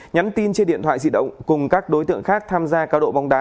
nhắn tin trên điện thoại di động cùng các đối tượng khác tham gia cao độ bóng đá